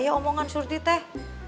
iya omongan surti teh